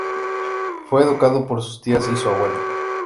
Fue educado por sus tías y su abuela.